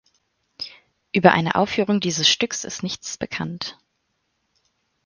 Über eine Aufführung dieses Stücks ist nichts bekannt.